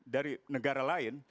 dari negara lain